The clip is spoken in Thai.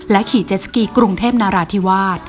ขี่เจสสกีกรุงเทพนาราธิวาส